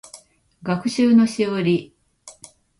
学習のしおり